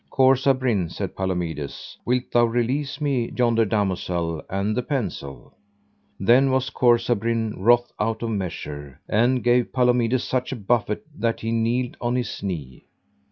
Corsabrin, said Palomides, wilt thou release me yonder damosel and the pensel? Then was Corsabrin wroth out of measure, and gave Palomides such a buffet that he kneeled on his knee.